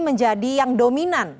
menjadi yang dominan